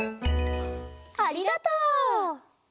ありがとう！